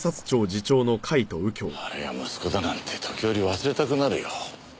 あれが息子だなんて時折忘れたくなるよ。